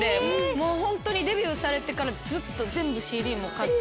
もうホントにデビューされてからずっと全部ＣＤも買って。